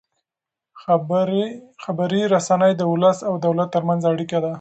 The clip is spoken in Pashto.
خبري رسنۍ د ولس او دولت ترمنځ اړیکه ده.